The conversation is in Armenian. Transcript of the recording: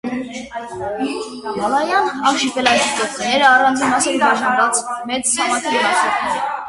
Մալայան արշիպելագի կղզիները առանձին մասերի բաժանված մեծ ցամաքի մնացորդներ են։